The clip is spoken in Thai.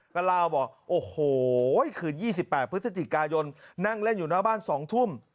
ก็เล่าบอกโอ้โหคืน๒๘พฤศจิกายนนั่งเล่นอยู่หน้าบ้าน๒ทุ่ม